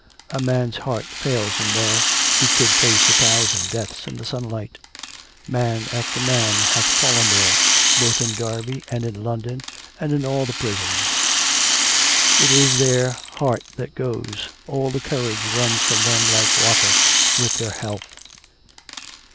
A man's heart fails him there, who could face a thousand deaths in the simlight. Man after man hath COME RACK! COME ROPE! 387 fallen there — both in Derby, and in London and in all the prisons. It is their heart that goes — all the courage runs from them like water, with their health.